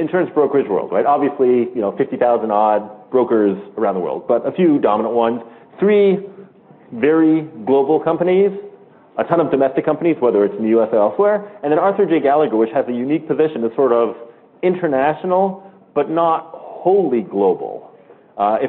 The insurance brokerage world, right? Obviously, 50,000 odd brokers around the world, but a few dominant ones. Three very global companies, a ton of domestic companies, whether it's in the U.S. or elsewhere, Arthur J. Gallagher, which has a unique position as sort of international but not wholly global. I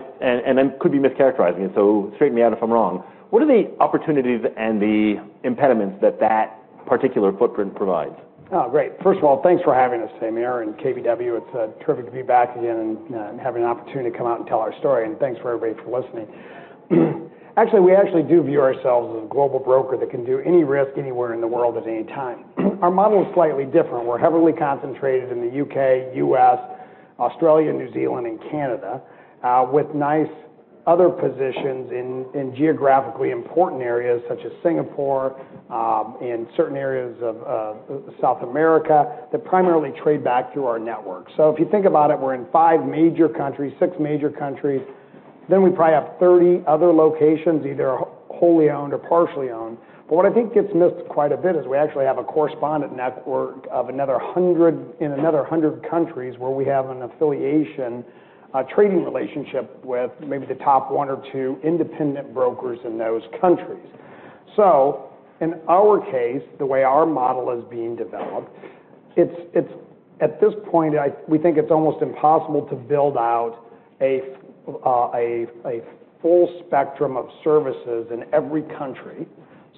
could be mischaracterizing it, so straighten me out if I'm wrong. What are the opportunities and the impediments that that particular footprint provides? Oh, great. First of all, thanks for having us today, Meyer and KBW. It's terrific to be back again and have an opportunity to come out and tell our story. Thanks for everybody for listening. We actually do view ourselves as a global broker that can do any risk anywhere in the world at any time. Our model is slightly different. We're heavily concentrated in the U.K., U.S., Australia, New Zealand, and Canada, with nice other positions in geographically important areas such as Singapore, in certain areas of South America, that primarily trade back through our network. If you think about it, we're in five major countries, six major countries. We probably have 30 other locations, either wholly owned or partially owned. What I think gets missed quite a bit is we actually have a correspondent network in another 100 countries where we have an affiliation, a trading relationship with maybe the top one or two independent brokers in those countries. In our case, the way our model is being developed, at this point, we think it's almost impossible to build out a full spectrum of services in every country.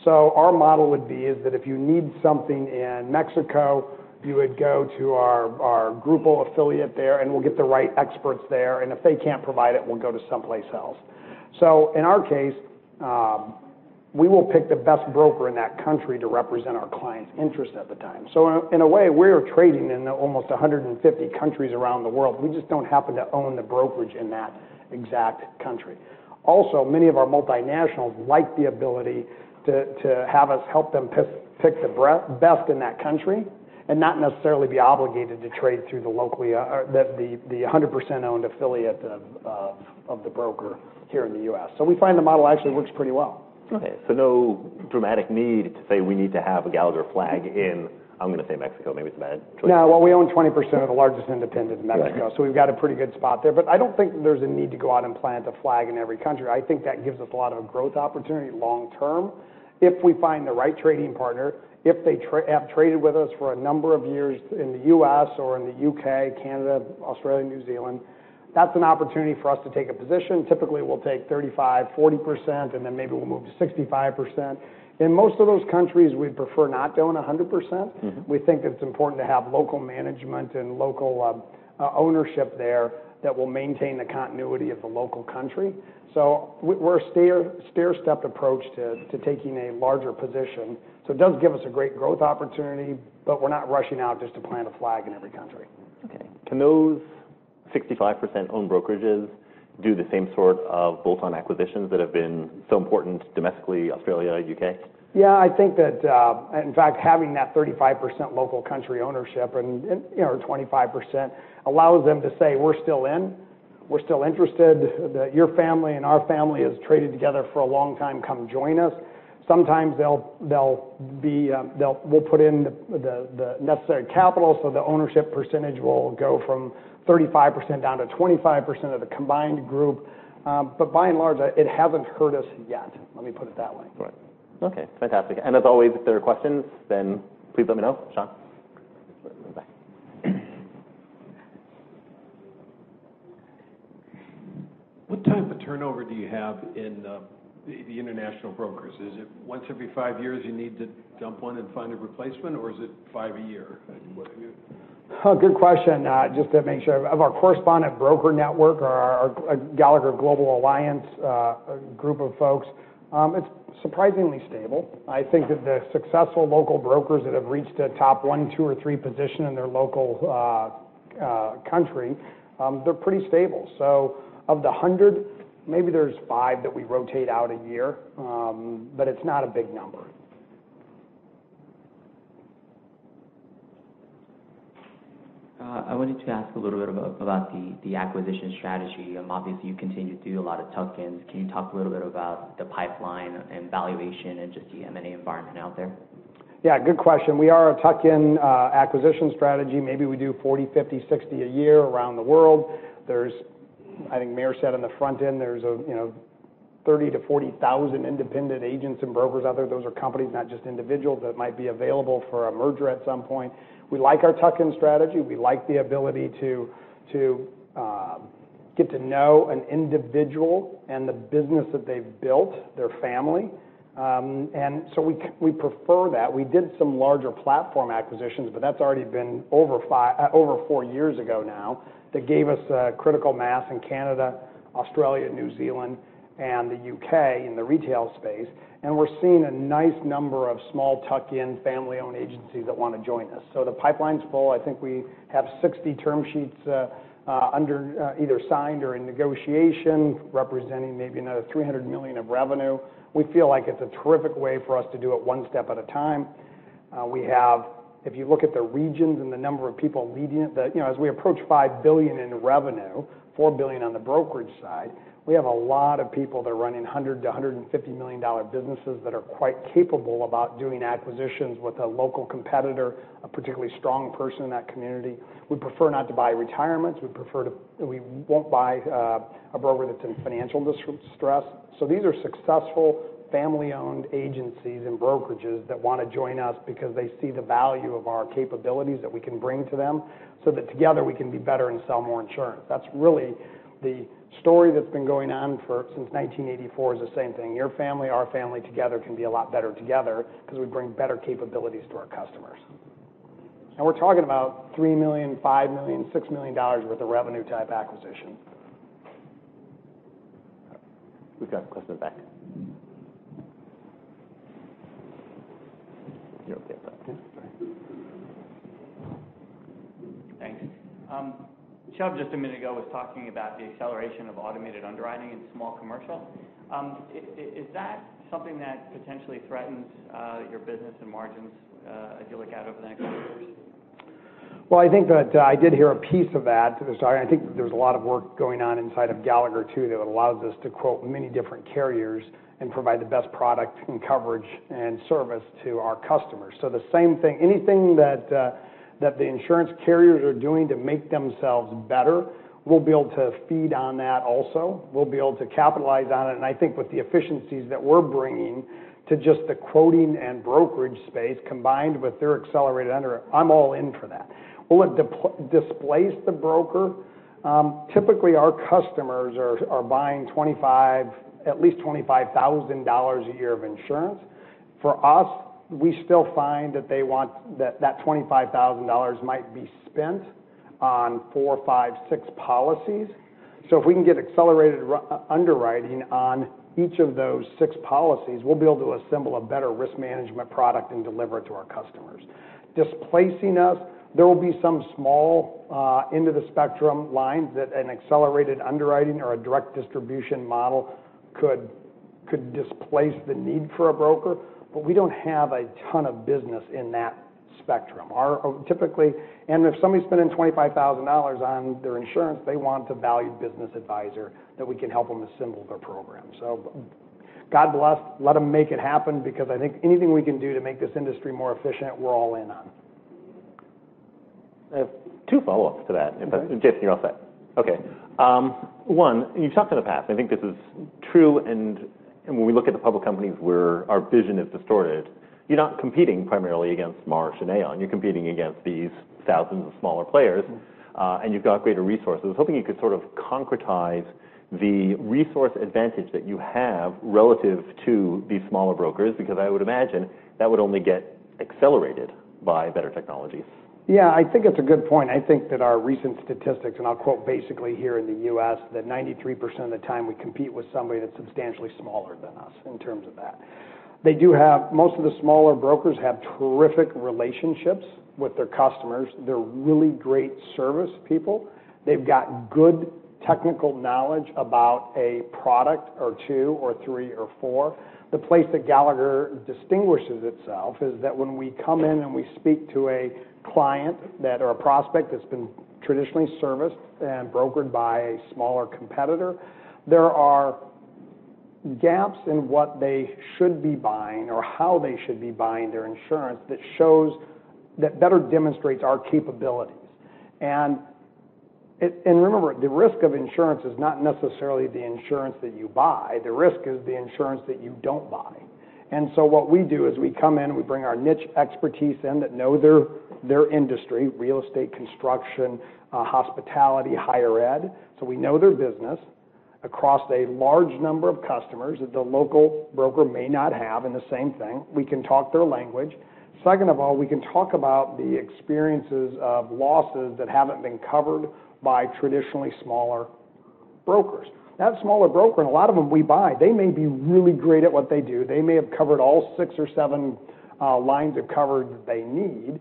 Our model would be is that if you need something in Mexico, you would go to our Grupo affiliate there, and we'll get the right experts there, and if they can't provide it, we'll go to someplace else. In our case, we will pick the best broker in that country to represent our client's interest at the time. In a way, we're trading in almost 150 countries around the world. We just don't happen to own the brokerage in that exact country. Also, many of our multinationals like the ability to have us help them pick the best in that country and not necessarily be obligated to trade through the locally, or the 100% owned affiliate of the broker here in the U.S. We find the model actually works pretty well. Okay, no dramatic need to say we need to have a Gallagher flag in, I'm going to say Mexico, maybe it's a bad choice. No. We own 20% of the largest independent in Mexico. Right. We've got a pretty good spot there. I don't think there's a need to go out and plant a flag in every country. I think that gives us a lot of growth opportunity long term. If we find the right trading partner, if they have traded with us for a number of years in the U.S. or in the U.K., Canada, Australia, New Zealand, that's an opportunity for us to take a position. Typically, we'll take 35%, 40%, and then maybe we'll move to 65%. In most of those countries, we'd prefer not to own 100%. We think it's important to have local management and local ownership there that will maintain the continuity of the local country. We're a stair-stepped approach to taking a larger position. It does give us a great growth opportunity, we're not rushing out just to plant a flag in every country. Okay. Can those 65% owned brokerages do the same sort of bolt-on acquisitions that have been so important domestically, Australia, U.K.? Yeah, I think that, in fact, having that 35% local country ownership and, or 25%, allows them to say, "We're still in. We're still interested. Your family and our family has traded together for a long time. Come join us." Sometimes we'll put in the necessary capital, so the ownership percentage will go from 35% down to 25% of the combined group. By and large, it hasn't hurt us yet, let me put it that way. Right. Okay, fantastic. As always, if there are questions, then please let me know. Sean. In the back. What type of turnover do you have in the international brokers? Is it once every five years you need to dump one and find a replacement, or is it five a year? Good question. Just to make sure, of our correspondent broker network, our Gallagher Global Network group of folks, it's surprisingly stable. I think that the successful local brokers that have reached a top one, two, or three position in their local country, they're pretty stable. Of the 100, maybe there's five that we rotate out a year, but it's not a big number. I wanted to ask a little bit about the acquisition strategy. Obviously, you continue to do a lot of tuck-ins. Can you talk a little bit about the pipeline and valuation and just the M&A environment out there? Good question. We are a tuck-in acquisition strategy. Maybe we do 40, 50, 60 a year around the world. I think Meir said on the front end there's 30 to 40,000 independent agents and brokers out there. Those are companies, not just individuals, that might be available for a merger at some point. We like our tuck-in strategy. We like the ability to get to know an individual and the business that they've built, their family. We prefer that. We did some larger platform acquisitions, but that's already been over four years ago now. That gave us critical mass in Canada, Australia, New Zealand, and the U.K. in the retail space. We're seeing a nice number of small tuck-in family-owned agencies that want to join us. The pipeline's full. I think we have 60 term sheets under either signed or in negotiation representing maybe another $300 million of revenue. We feel like it's a terrific way for us to do it one step at a time. We have, if you look at the regions and the number of people leading it, as we approach $5 billion in revenue, $4 billion on the brokerage side, we have a lot of people that are running $100 million-$150 million businesses that are quite capable about doing acquisitions with a local competitor, a particularly strong person in that community. We prefer not to buy retirements. We won't buy a broker that's in financial distress. These are successful family-owned agencies and brokerages that want to join us because they see the value of our capabilities that we can bring to them, so that together we can be better and sell more insurance. That's really the story that's been going on since 1984, is the same thing. Your family, our family together can be a lot better together because we bring better capabilities to our customers. We're talking about $3 million, $5 million, $6 million worth of revenue type acquisition. We've got a question in the back. You're okay up there. Sorry. Thanks. Chubb just a minute ago was talking about the acceleration of automated underwriting in small commercial. Is that something that potentially threatens your business and margins as you look out over the next couple years? Well, I think that I did hear a piece of that to this. I think there's a lot of work going on inside of Gallagher too, that allows us to quote many different carriers and provide the best product and coverage and service to our customers. The same thing, anything that the insurance carriers are doing to make themselves better, we'll be able to feed on that also. We'll be able to capitalize on it. I think with the efficiencies that we're bringing to just the quoting and brokerage space combined with their accelerated under, I'm all in for that. Will it displace the broker? Typically, our customers are buying at least $25,000 a year of insurance. For us, we still find that that $25,000 might be spent on four, five, six policies. If we can get accelerated underwriting on each of those six policies, we'll be able to assemble a better risk management product and deliver it to our customers. Displacing us, there will be some small end of the spectrum lines that an accelerated underwriting or a direct distribution model could displace the need for a broker, but we don't have a ton of business in that spectrum. If somebody's spending $25,000 on their insurance, they want the valued business advisor that we can help them assemble their program. God bless, let them make it happen because I think anything we can do to make this industry more efficient, we're all in on. I have two follow-ups to that. Okay. Jason, you're all set. Okay. One, you've talked in the past, I think this is true, when we look at the public companies where our vision is distorted, you're not competing primarily against Marsh & Aon. You're competing against these thousands of smaller players. You've got greater resources. I was hoping you could sort of concretize the resource advantage that you have relative to these smaller brokers, because I would imagine that would only get accelerated by better technologies. I think it's a good point. I think that our recent statistics, and I'll quote basically here in the U.S., that 93% of the time we compete with somebody that's substantially smaller than us in terms of that. Most of the smaller brokers have terrific relationships with their customers. They're really great service people. They've got good technical knowledge about a product or two or three or four. The place that Gallagher distinguishes itself is that when we come in and we speak to a client or a prospect that's been traditionally serviced and brokered by a smaller competitor, there are gaps in what they should be buying or how they should be buying their insurance that better demonstrates our capabilities. Remember, the risk of insurance is not necessarily the insurance that you buy. The risk is the insurance that you don't buy. What we do is we come in, we bring our niche expertise in that know their industry, real estate, construction, hospitality, higher ed. We know their business across a large number of customers that the local broker may not have in the same thing. We can talk their language. Second of all, we can talk about the experiences of losses that haven't been covered by traditionally smaller brokers. That smaller broker, and a lot of them we buy, they may be really great at what they do. They may have covered all six or seven lines of cover that they need,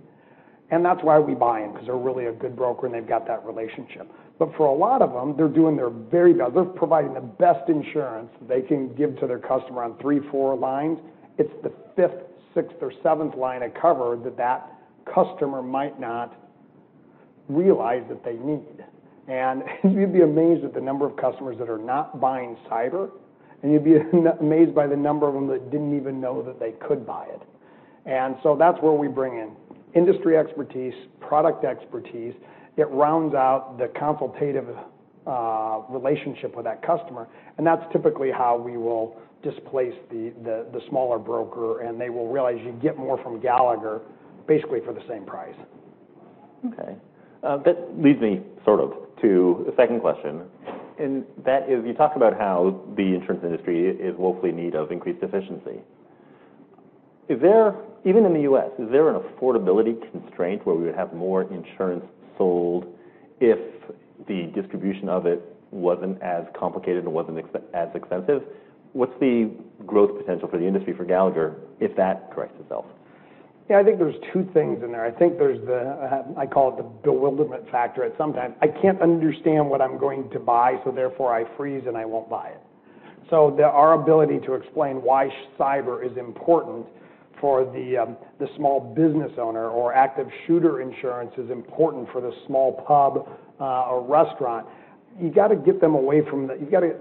and that's why we buy them because they're really a good broker, and they've got that relationship. For a lot of them, they're doing their very best. They're providing the best insurance they can give to their customer on three, four lines. It's the fifth, sixth, or seventh line of cover that that customer might not realize that they need. You'd be amazed at the number of customers that are not buying cyber, and you'd be amazed by the number of them that didn't even know that they could buy it. That's where we bring in industry expertise, product expertise. It rounds out the consultative relationship with that customer, and that's typically how we will displace the smaller broker, and they will realize you get more from Gallagher basically for the same price. Okay. That leads me sort of to the second question, and that is, you talk about how the insurance industry is woefully in need of increased efficiency. Even in the U.S., is there an affordability constraint where we would have more insurance sold if the distribution of it wasn't as complicated and wasn't as expensive? What's the growth potential for the industry for Gallagher if that corrects itself? I think there's two things in there. I think there's the I call it the bewilderment factor. At some time, I can't understand what I'm going to buy, therefore, I freeze and I won't buy it. Our ability to explain why cyber is important for the small business owner or active shooter insurance is important for the small pub or restaurant, you've got to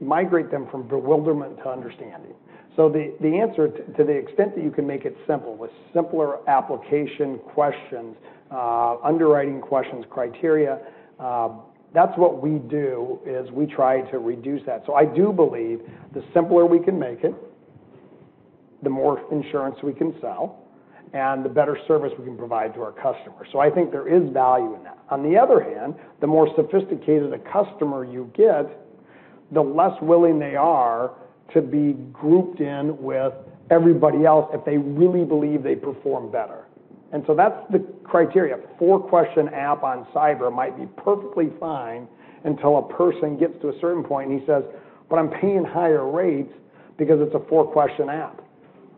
migrate them from bewilderment to understanding. The answer, to the extent that you can make it simple, with simpler application questions, underwriting questions, criteria, that's what we do, is we try to reduce that. I do believe the simpler we can make it, the more insurance we can sell, and the better service we can provide to our customers. I think there is value in that. On the other hand, the more sophisticated a customer you get, the less willing they are to be grouped in with everybody else if they really believe they perform better. That's the criteria. A four-question app on cyber might be perfectly fine until a person gets to a certain point and he says, "But I'm paying higher rates because it's a four-question app.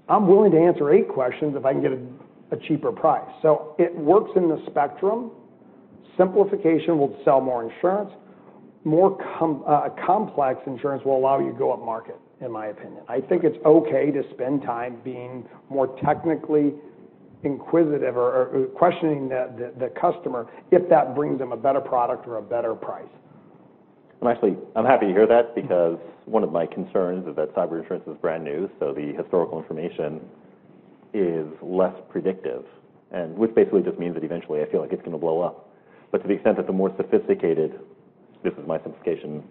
I'm willing to answer eight questions if I can get a cheaper price." It works in the spectrum. Simplification will sell more insurance. More complex insurance will allow you to go upmarket, in my opinion. I think it's okay to spend time being more technically inquisitive or questioning the customer if that brings them a better product or a better price. I'm happy to hear that because one of my concerns is that cyber insurance is brand new, the historical information is less predictive, which basically just means that eventually I feel like it's going to blow up. To the extent that the more sophisticated, this is my simplification,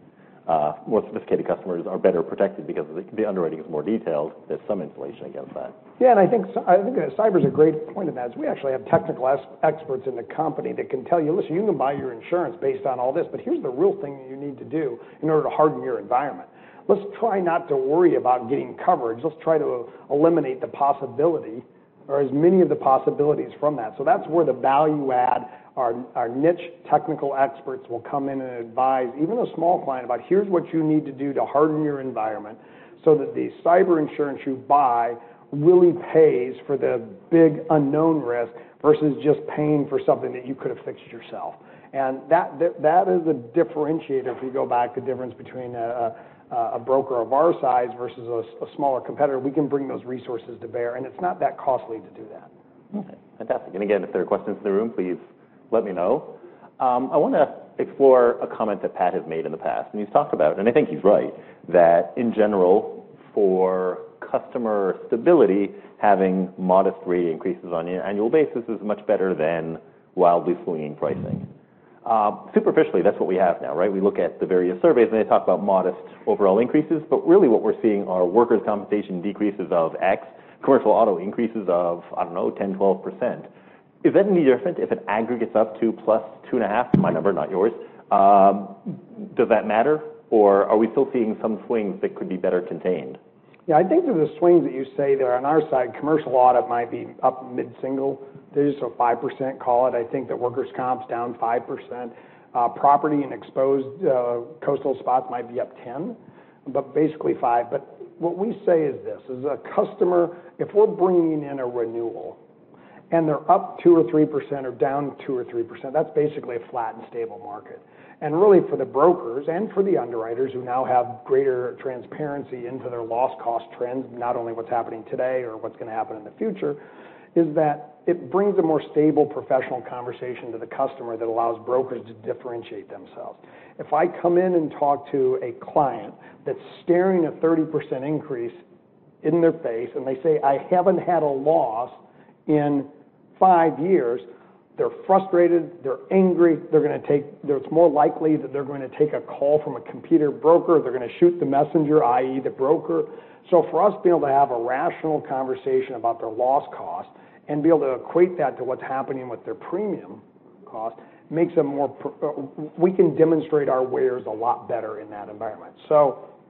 more sophisticated customers are better protected because the underwriting is more detailed, there's some inflation against that. I think cyber is a great point in that, because we actually have technical experts in the company that can tell you, "Listen, you can buy your insurance based on all this, but here's the real thing that you need to do in order to harden your environment." Let's try not to worry about getting coverage. Let's try to eliminate the possibility or as many of the possibilities from that. That's where the value add, our niche technical experts will come in and advise even a small client about, "Here's what you need to do to harden your environment so that the cyber insurance you buy really pays for the big unknown risk versus just paying for something that you could have fixed yourself." That is a differentiator if you go back, the difference between a broker of our size versus a smaller competitor. We can bring those resources to bear, and it's not that costly to do that. Okay. Fantastic. Again, if there are questions in the room, please let me know. I want to explore a comment that Pat has made in the past. He's talked about, and I think he's right, that in general, for customer stability, having modest rate increases on an annual basis is much better than wildly swinging pricing. Superficially, that's what we have now, right? We look at the various surveys, and they talk about modest overall increases, but really what we're seeing are workers' compensation decreases of X, commercial auto increases of, I don't know, 10%, 12%. Is that any different if it aggregates up to +2.5%? My number, not yours. Does that matter? Or are we still seeing some swings that could be better contained? I think that the swings that you say there on our side, commercial auto might be up mid-single digits, so 5%, call it. I think that workers' comp is down 5%. Property in exposed coastal spots might be up 10%, but basically 5%. What we say is this, as a customer, if we're bringing in a renewal and they're up 2% or 3% or down 2% or 3%, that's basically a flat and stable market. Really for the brokers and for the underwriters who now have greater transparency into their loss cost trends, not only what's happening today or what's going to happen in the future, is that it brings a more stable professional conversation to the customer that allows brokers to differentiate themselves. If I come in and talk to a client that's staring a 30% increase in their face, and they say, "I haven't had a loss in five years," they're frustrated, they're angry. It's more likely that they're going to take a call from a computer broker, they're going to shoot the messenger, i.e., the broker. For us to be able to have a rational conversation about their loss cost and be able to equate that to what's happening with their premium cost, we can demonstrate our wares a lot better in that environment.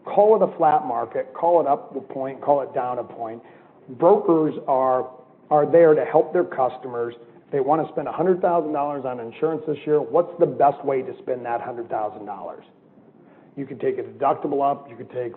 Call it a flat market, call it up a point, call it down a point. Brokers are there to help their customers. If they want to spend $100,000 on insurance this year, what's the best way to spend that $100,000? You could take a deductible up. You could take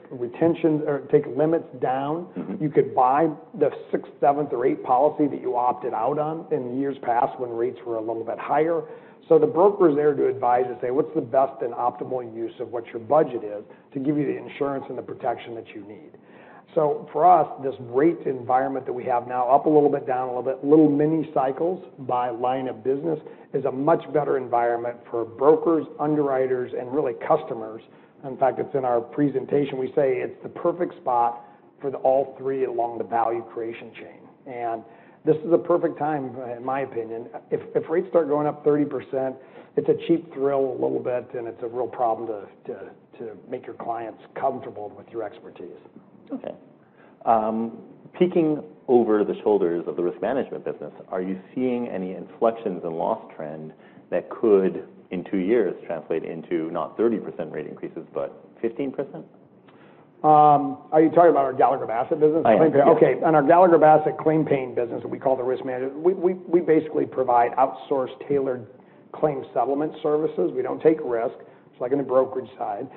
limits down. You could buy the sixth, seventh, or eighth policy that you opted out on in years past when rates were a little bit higher. The broker is there to advise and say, "What's the best and optimal use of what your budget is to give you the insurance and the protection that you need?" For us, this rate environment that we have now, up a little bit, down a little bit, little mini cycles by line of business, is a much better environment for brokers, underwriters, and really customers. In fact, it's in our presentation. We say it's the perfect spot for all three along the value creation chain. This is a perfect time, in my opinion. If rates start going up 30%, it's a cheap thrill a little bit, and it's a real problem to make your clients comfortable with your expertise. Okay. Peeking over the shoulders of the risk management business, are you seeing any inflections in loss trend that could, in two years, translate into not 30% rate increases, but 15%? Are you talking about our Gallagher Bassett business? I am. Okay. On our Gallagher Bassett claim paying business that we call the risk management, we basically provide outsourced tailored claims settlement services. We don't take risk. It's like on the brokerage side.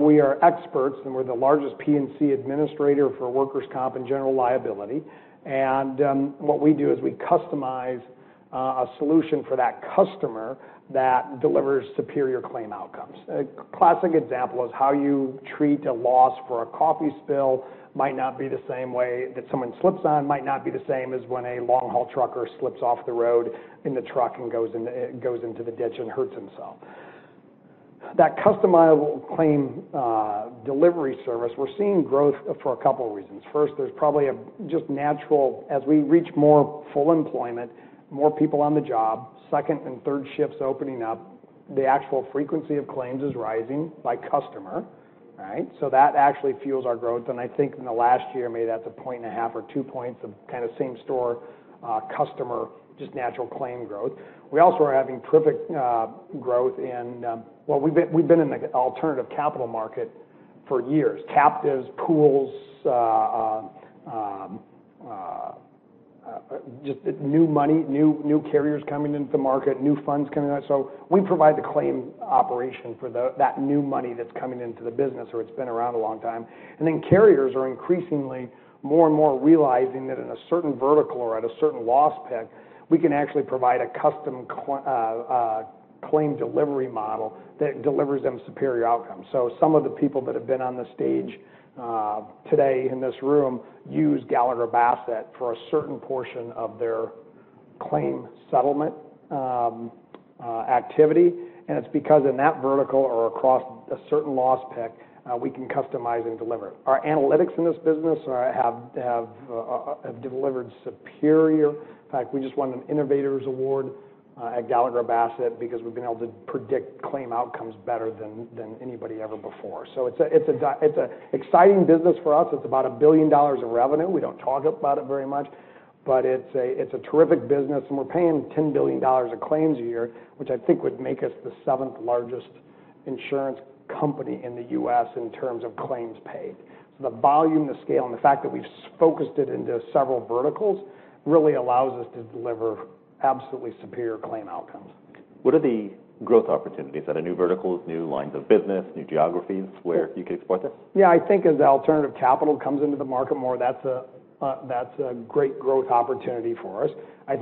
We are experts, and we're the largest P&C administrator for workers' comp and general liability. What we do is we customize a solution for that customer that delivers superior claim outcomes. A classic example is how you treat a loss for a coffee spill might not be the same way that someone slips on, might not be the same as when a long haul trucker slips off the road in the truck and goes into the ditch and hurts himself. That customizable claim delivery service, we're seeing growth for a couple of reasons. First, there's probably a just natural, as we reach more full employment, more people on the job, second and third shifts opening up, the actual frequency of claims is rising by customer. That actually fuels our growth. I think in the last year, maybe that's one and a half or two points of kind of same store customer, just natural claim growth. We also are having terrific growth. We've been in the alternative capital market for years. Captives, pools, just new money, new carriers coming into the market, new funds coming out. We provide the claim operation for that new money that's coming into the business, or it's been around a long time. Carriers are increasingly more and more realizing that in a certain vertical or at a certain loss pick, we can actually provide a custom claim delivery model that delivers them superior outcomes. Some of the people that have been on the stage today in this room use Gallagher Bassett for a certain portion of their claim settlement activity, it's because in that vertical or across a certain loss pick, we can customize and deliver. Our analytics in this business have delivered superior. In fact, we just won an Innovator's Award at Gallagher Bassett because we've been able to predict claim outcomes better than anybody ever before. It's an exciting business for us. It's about $1 billion of revenue. We don't talk about it very much, it's a terrific business, and we're paying $10 billion of claims a year, which I think would make us the seventh largest insurance company in the U.S. in terms of claims paid. The volume, the scale, and the fact that we've focused it into several verticals really allows us to deliver absolutely superior claim outcomes. What are the growth opportunities? Are they new verticals, new lines of business, new geographies where you could explore this? Yeah, I think as alternative capital comes into the market more, that's a great growth opportunity for us. Our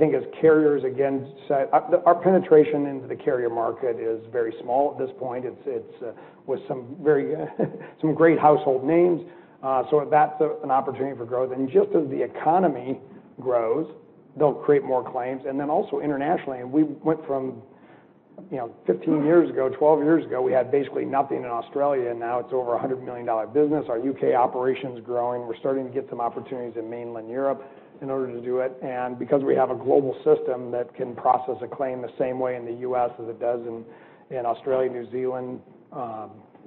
penetration into the carrier market is very small at this point. It's with some great household names. That's an opportunity for growth. Just as the economy grows, they'll create more claims. Also internationally, we went from 15 years ago, 12 years ago, we had basically nothing in Australia, now it's over $100 million business. Our U.K. operation's growing. We're starting to get some opportunities in mainland Europe in order to do it. Because we have a global system that can process a claim the same way in the U.S. as it does in Australia, New Zealand,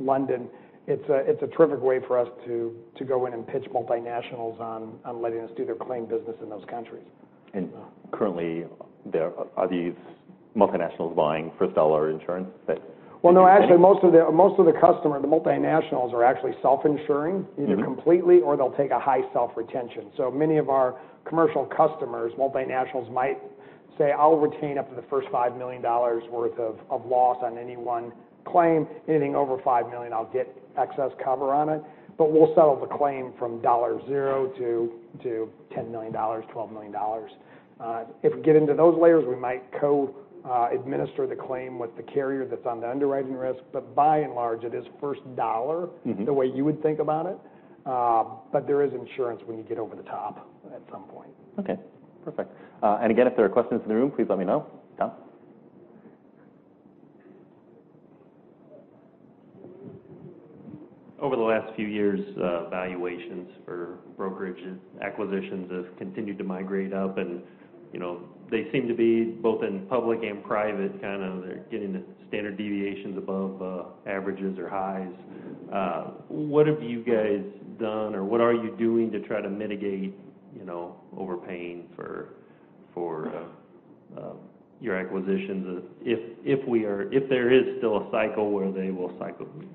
London, it's a terrific way for us to go in and pitch multinationals on letting us do their claim business in those countries. Currently, are these multinationals buying first dollar insurance that you can take? Well, no, actually, most of the customer, the multinationals are actually self-insuring either completely or they'll take a high self-retention. Many of our commercial customers, multinationals might say, "I'll retain up to the first $5 million worth of loss on any one claim. Anything over $5 million, I'll get excess cover on it." We'll settle the claim from dollar zero to $10 million, $12 million. If we get into those layers, we might co-administer the claim with the carrier that's on the underwriting risk. By and large, it is first dollar the way you would think about it. There is insurance when you get over the top at some point. Okay, perfect. Again, if there are questions in the room, please let me know. Tom? Over the last few years, valuations for brokerage and acquisitions has continued to migrate up, they seem to be both in public and private, kind of, they're getting to standard deviations above averages or highs. What have you guys done or what are you doing to try to mitigate overpaying for your acquisitions if there is still a cycle where they will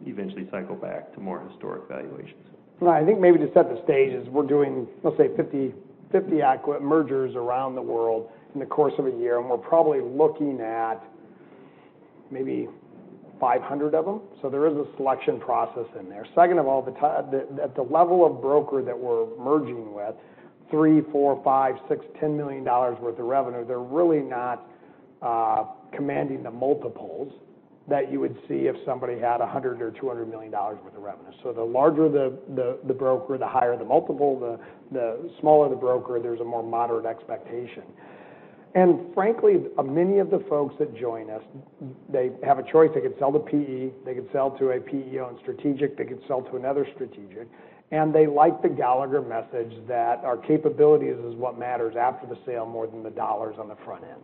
eventually cycle back to more historic valuations? I think maybe to set the stage is we're doing, let's say, 50 mergers around the world in the course of a year, we're probably looking at maybe 500 of them. There is a selection process in there. Second of all, at the level of broker that we're merging with, three, four, five, six, $10 million worth of revenue, they're really not commanding the multiples that you would see if somebody had $100 million or $200 million worth of revenue. The larger the broker, the higher the multiple, the smaller the broker, there's a more moderate expectation. Frankly, many of the folks that join us, they have a choice. They could sell to PE, they could sell to a PE-owned strategic, they could sell to another strategic, they like the Gallagher message that our capabilities is what matters after the sale more than the dollars on the front end.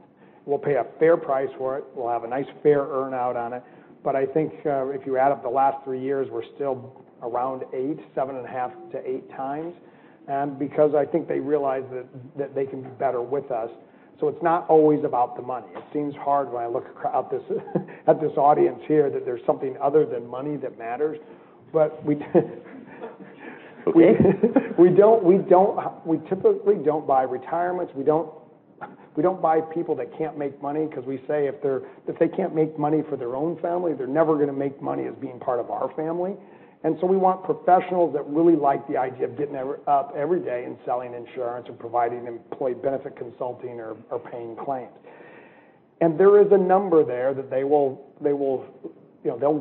We'll pay a fair price for it. We'll have a nice fair earn out on it. I think if you add up the last three years, we're still around eight, seven and a half to eight times. Because I think they realize that they can do better with us. It's not always about the money. It seems hard when I look out at this audience here that there's something other than money that matters. We typically don't buy retirements. We don't buy people that can't make money because we say if they can't make money for their own family, they're never going to make money as being part of our family. We want professionals that really like the idea of getting up every day and selling insurance or providing employee benefit consulting or paying claims. There is a number there that they'll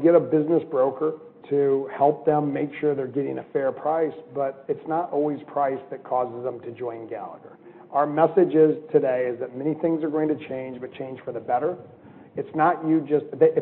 get a business broker to help them make sure they're getting a fair price, but it's not always price that causes them to join Gallagher. Our message today is that many things are going to change, but change for the better. If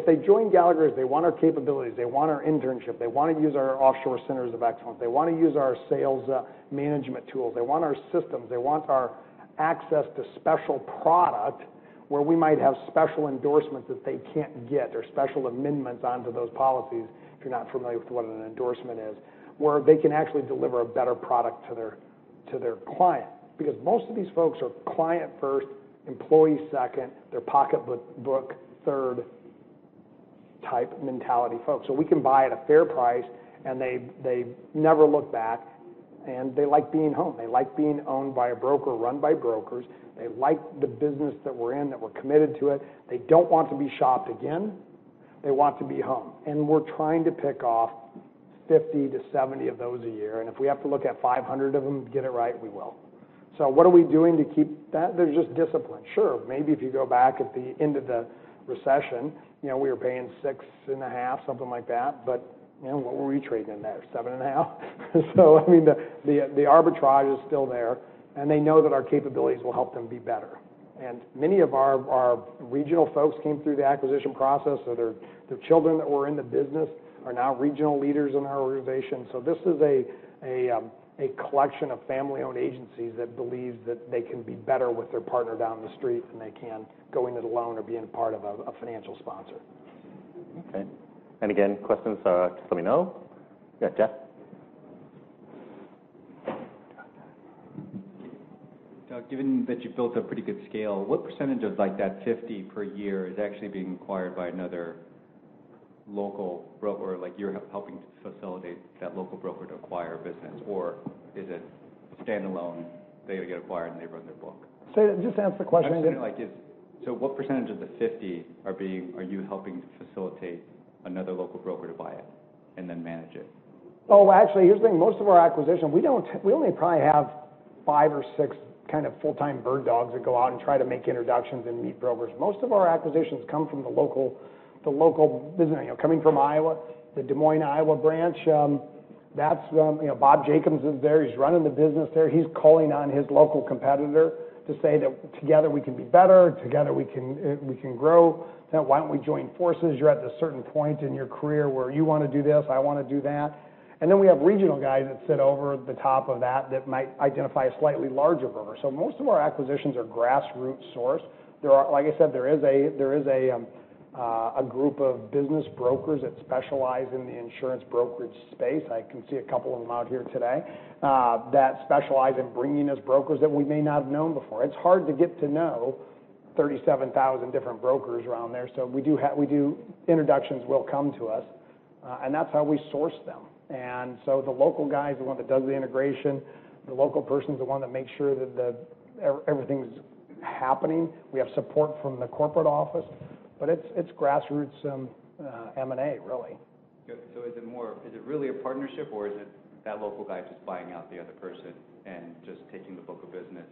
they join Gallagher, they want our capabilities, they want our internship, they want to use our offshore centers of excellence. They want to use our sales management tools. They want our systems. They want our access to special product where we might have special endorsements that they can't get or special amendments onto those policies, if you're not familiar with what an endorsement is, where they can actually deliver a better product to their client. Because most of these folks are client first, employee second, their pocketbook third type mentality folks. We can buy at a fair price, and they never look back, and they like being home. They like being owned by a broker, run by brokers. They like the business that we're in, that we're committed to it. They don't want to be shopped again. They want to be home. We're trying to pick off 50 to 70 of those a year, and if we have to look at 500 of them to get it right, we will. What are we doing to keep that? There's just discipline. Sure, maybe if you go back at the end of the recession, we were paying six and a half, something like that. What were we trading in there? Seven and a half? The arbitrage is still there, and they know that our capabilities will help them be better. Many of our regional folks came through the acquisition process. Their children that were in the business are now regional leaders in our organization. This is a collection of family-owned agencies that believe that they can be better with their partner down the street than they can going it alone or being a part of a financial sponsor. Okay. Again, questions, just let me know. Yeah, Jeff. Doug, given that you've built a pretty good scale, what percentage of that 50 per year is actually being acquired by another local broker, like you're helping facilitate that local broker to acquire a business? Or is it standalone, they get acquired, and they run their book? Say again, just ask the question again. What percentage of the 50 are you helping to facilitate another local broker to buy it and then manage it? Actually, here's the thing. Most of our acquisitions, we only probably have five or six kind of full-time bird dogs that go out and try to make introductions and meet brokers. Most of our acquisitions come from the local business. Coming from Iowa, the Des Moines, Iowa branch, Bob Jacobs is there. He's running the business there. He's calling on his local competitor to say that together we can be better. Together we can grow. Why don't we join forces? You're at this certain point in your career where you want to do this, I want to do that. Then we have regional guys that sit over the top of that might identify a slightly larger broker. Most of our acquisitions are grassroots sourced. Like I said, there is a group of business brokers that specialize in the insurance brokerage space, I can see a couple of them out here today, that specialize in bringing us brokers that we may not have known before. It's hard to get to know 37,000 different brokers around there. Introductions will come to us, and that's how we source them. The local guy is the one that does the integration. The local person's the one that makes sure that everything's happening. We have support from the corporate office, but it's grassroots M&A really. Is it really a partnership, or is it that local guy just buying out the other person and just taking the book of business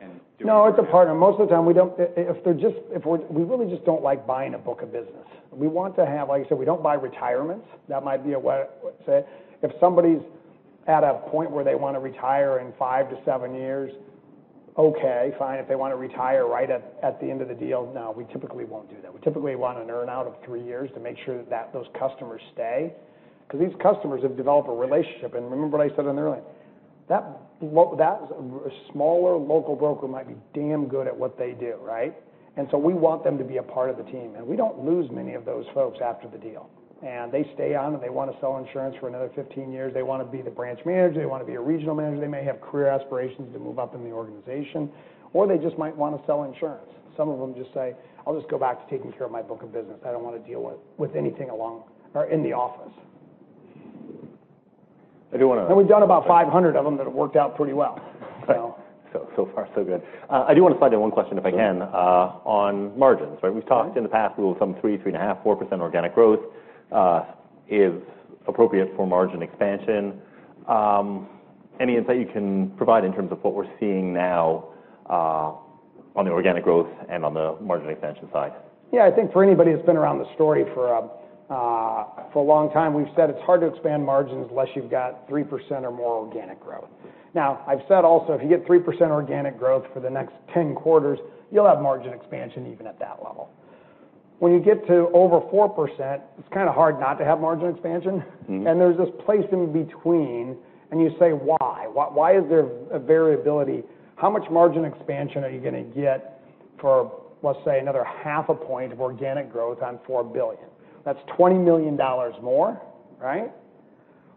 and doing it? No, it's a partner. Most of the time we really just don't like buying a book of business. Like I said, we don't buy retirements. If somebody's at a point where they want to retire in five to seven years, okay, fine. If they want to retire right at the end of the deal, no, we typically won't do that. We typically want an earn-out of three years to make sure that those customers stay because these customers have developed a relationship. Remember what I said earlier, that smaller local broker might be damn good at what they do, right? We want them to be a part of the team, and we don't lose many of those folks after the deal. They stay on, and they want to sell insurance for another 15 years. They want to be the branch manager. They want to be a regional manager. They may have career aspirations to move up in the organization, or they just might want to sell insurance. Some of them just say, "I'll just go back to taking care of my book of business. I don't want to deal with anything in the office. I do want to- We've done about 500 of them that have worked out pretty well. Far, so good. I do want to slide in one question, if I can, on margins, right? We've talked in the past, some 3%, 3.5%, 4% organic growth is appropriate for margin expansion. Any insight you can provide in terms of what we're seeing now on the organic growth and on the margin expansion side? Yeah, I think for anybody that's been around the story for a long time, we've said it's hard to expand margins unless you've got 3% or more organic growth. Now, I've said also, if you get 3% organic growth for the next 10 quarters, you'll have margin expansion even at that level. When you get to over 4%, it's kind of hard not to have margin expansion. There's this place in between, and you say why? Why is there a variability? How much margin expansion are you going to get for, let's say, another half a point of organic growth on $4 billion? That's $20 million more, right?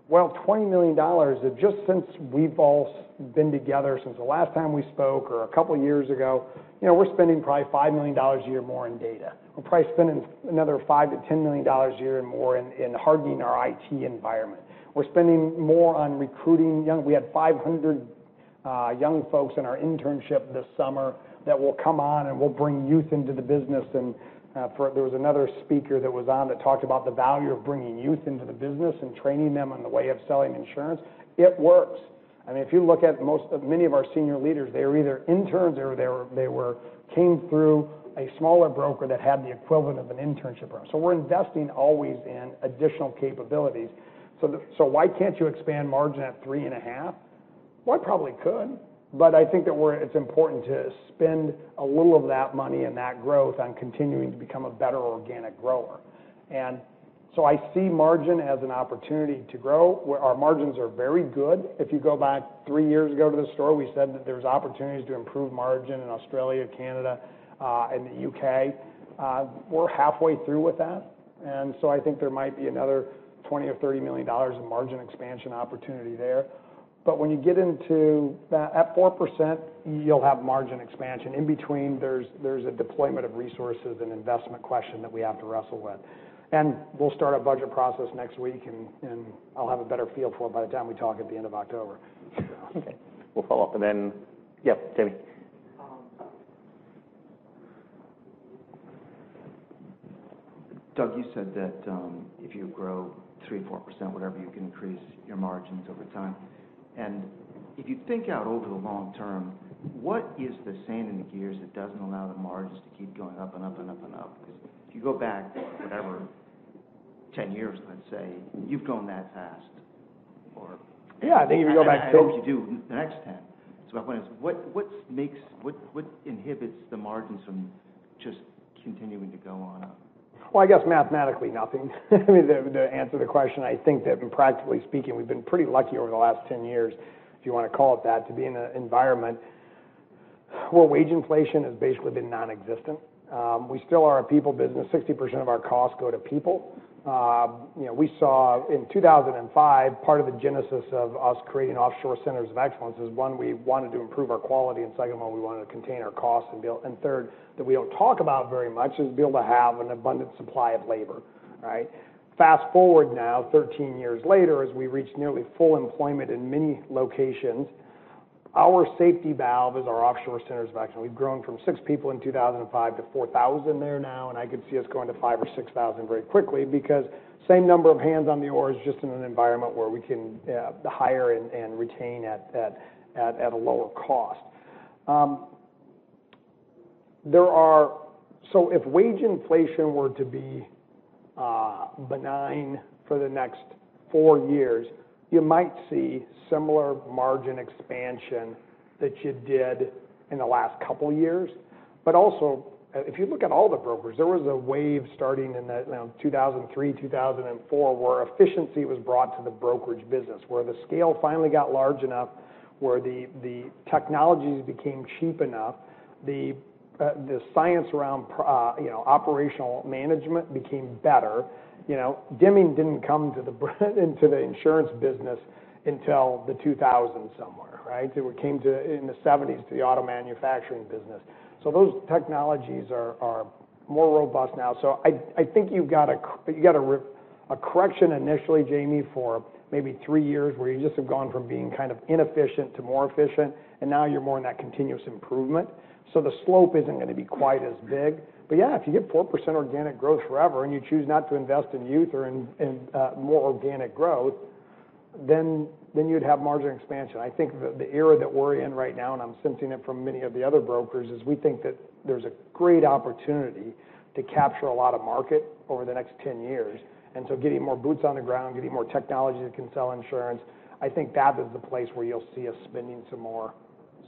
Well, $20 million, just since we've all been together since the last time we spoke or a couple of years ago, we're spending probably $5 million a year more on data. We're probably spending another $5 million-$10 million a year more in hardening our IT environment. We're spending more on recruiting. We had 500 young folks in our internship this summer that will come on, and we'll bring youth into the business. There was another speaker that was on that talked about the value of bringing youth into the business and training them in the way of selling insurance. It works. I mean, if you look at many of our senior leaders, they were either interns or they came through a smaller broker that had the equivalent of an internship program. We're investing always in additional capabilities. Why can't you expand margin at three and a half? Well, I probably could, but I think that it's important to spend a little of that money and that growth on continuing to become a better organic grower. I see margin as an opportunity to grow. Our margins are very good. If you go back 3 years ago to this story, we said that there's opportunities to improve margin in Australia, Canada, and the U.K. We're halfway through with that, I think there might be another $20 million-$30 million of margin expansion opportunity there. When you get into- At 4%, you'll have margin expansion. In between, there's a deployment of resources and investment question that we have to wrestle with. We'll start our budget process next week, and I'll have a better feel for it by the time we talk at the end of October. Okay. We'll follow up. Yep, Jamie. Doug, you said that if you grow 3%, 4%, whatever, you can increase your margins over time. If you think out over the long term, what is the sand in the gears that doesn't allow the margins to keep going up and up and up and up? Because if you go back, whatever, 10 years, let's say, you've grown that fast. Yeah, they even go back. I hope you do the next 10. My point is, what inhibits the margins from just continuing to go on up? Well, I guess mathematically, nothing. I mean, to answer the question, I think that practically speaking, we've been pretty lucky over the last 10 years, if you want to call it that, to be in an environment where wage inflation has basically been nonexistent. We still are a people business. 60% of our costs go to people. We saw in 2005, part of the genesis of us creating offshore centers of excellence is, one, we wanted to improve our quality, second of all, we wanted to contain our costs. Third, that we don't talk about very much, is be able to have an abundant supply of labor, right? Fast-forward now, 13 years later, as we reach nearly full employment in many locations, our safety valve is our offshore centers of excellence. We've grown from six people in 2005 to 4,000 there now. I could see us growing to 5,000 or 6,000 very quickly because same number of hands on the oars, just in an environment where we can hire and retain at a lower cost. If wage inflation were to be benign for the next four years, you might see similar margin expansion that you did in the last couple of years. Also, if you look at all the brokers, there was a wave starting in 2003, 2004, where efficiency was brought to the brokerage business, where the scale finally got large enough, where the technologies became cheap enough. The science around operational management became better. Deming didn't come into the insurance business until the 2000s somewhere, right? It came in the 1970s to the auto manufacturing business. Those technologies are more robust now. I think you've got a correction initially, Jamie, for maybe three years, where you just have gone from being kind of inefficient to more efficient, and now you're more in that continuous improvement. The slope isn't going to be quite as big. Yeah, if you get 4% organic growth forever and you choose not to invest in youth or in more organic growth, then you'd have margin expansion. I think the era that we're in right now, and I'm sensing it from many of the other brokers, is we think that there's a great opportunity to capture a lot of market over the next 10 years. Getting more boots on the ground, getting more technology that can sell insurance, I think that is the place where you'll see us spending some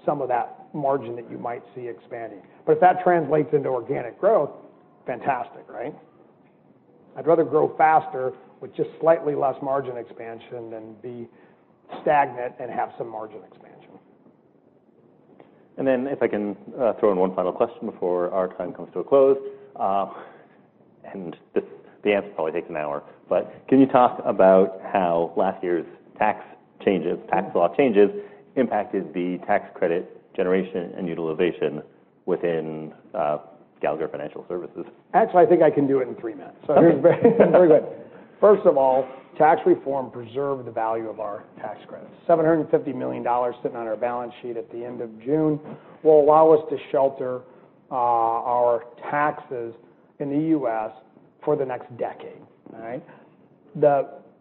of that margin that you might see expanding. If that translates into organic growth, fantastic, right? I'd rather grow faster with just slightly less margin expansion than be stagnant and have some margin expansion. If I can throw in one final question before our time comes to a close. The answer probably takes an hour, but can you talk about how last year's tax law changes impacted the tax credit generation and utilization within Gallagher Financial Services? Actually, I think I can do it in three minutes. Okay. Very good. First of all, tax reform preserved the value of our tax credits. $750 million sitting on our balance sheet at the end of June will allow us to shelter our taxes in the U.S. for the next decade.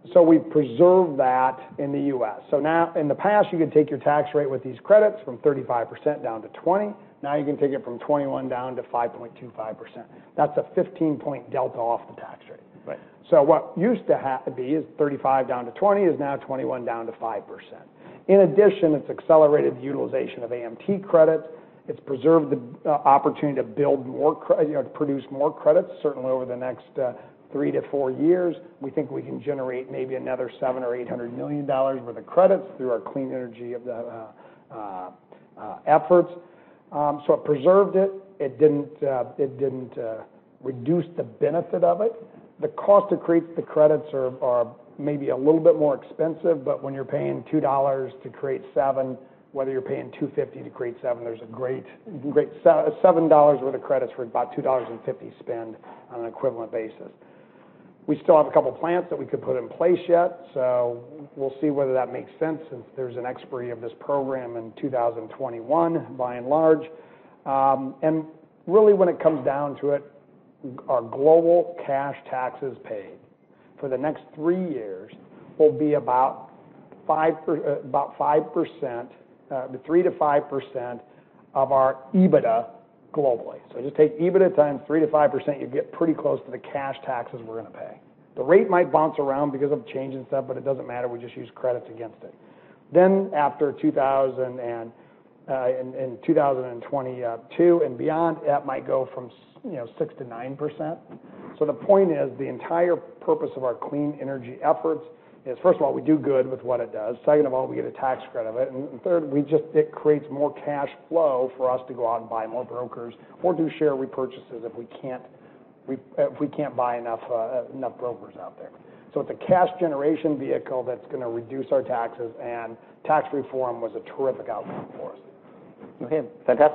All right? We preserve that in the U.S. Now, in the past, you could take your tax rate with these credits from 35% down to 20%. Now you can take it from 21% down to 5.25%. That's a 15-point delta off the tax rate. Right. What used to be is 35% down to 20% is now 21% down to 5%. In addition, it's accelerated the utilization of AMT credits. It's preserved the opportunity to produce more credits, certainly over the next three to four years. We think we can generate maybe another $700 or $800 million worth of credits through our clean energy efforts. It preserved it. It didn't reduce the benefit of it. The cost to create the credits are maybe a little bit more expensive, but when you're paying $2 to create $7, whether you're paying $2.50 to create $7, $7 worth of credits for about $2.50 spend on an equivalent basis. We still have a couple plants that we could put in place yet. We'll see whether that makes sense since there's an expiry of this program in 2021, by and large. Really when it comes down to it, our global cash taxes paid for the next three years will be about 3% to 5% of our EBITDA globally. Just take EBITDA times 3% to 5%, you get pretty close to the cash taxes we're going to pay. The rate might bounce around because of change and stuff, but it doesn't matter, we just use credits against it. In 2022 and beyond, that might go from 6% to 9%. The point is, the entire purpose of our clean energy efforts is, first of all, we do good with what it does. Second of all, we get a tax credit. Third, it creates more cash flow for us to go out and buy more brokers or do share repurchases if we can't buy enough brokers out there. It's a cash generation vehicle that's going to reduce our taxes, and tax reform was a terrific outcome for us. Okay, fantastic.